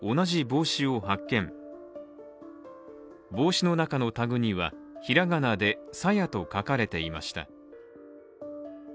帽子の中のタグには平仮名で「さや」と書かれていました。